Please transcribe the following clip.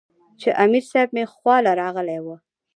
چې امير صېب مې خواله راغلے وۀ -